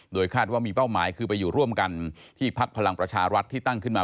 คาดว่ามีเป้าหมายคือไปอยู่ร่วมกันที่พักพลังประชารัฐที่ตั้งขึ้นมา